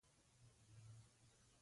د پدیده پوهنې مطالعات دغو نتیجو ته رسوي.